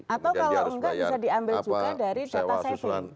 atau kalau enggak bisa diambil juga dari data saving